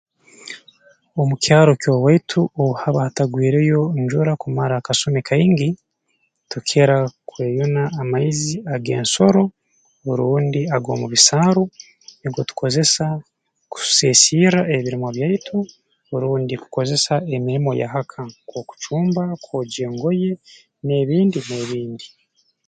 Omu kyaro ky'owaitu obu haba hatagwireyo njura kumara akasumi kaingi tukira kweyuna amaizi ag'ensoro rundi ag'omu bisaaru nugo tukozesa kuseesirra ebirimwa byaitu rundi kukozesa emirimo ya ha ka nk'okucumba kwogya engoye n'ebindi n'ebindi